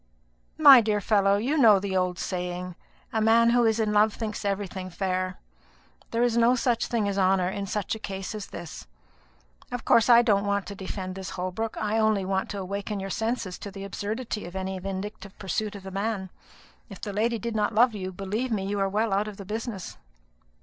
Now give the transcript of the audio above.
"My dear fellow, you know the old saying. A man who is in love thinks everything fair. There is no such thing as honour in such a case as this. Of course, I don't want to defend this Holbrook; I only want to awaken your senses to the absurdity of any vindictive pursuit of the man. If the lady did not love you, believe me you are well out of the business."